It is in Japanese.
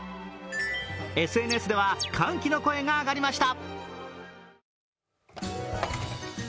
ＳＮＳでは歓喜の声が上がりました。